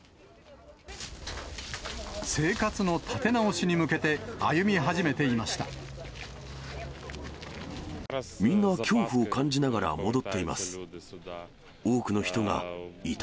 生活の立て直しに向けて、みんな、恐怖を感じながら戻っています。